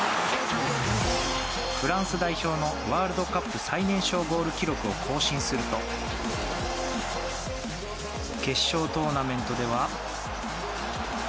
フランス代表のワールドカップ最年少ゴール記録を更新すると決勝トーナメントでは。